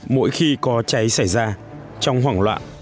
mỗi khi có cháy xảy ra trong hoảng loạn